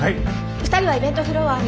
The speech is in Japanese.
２人はイベントフロアに避難誘導を。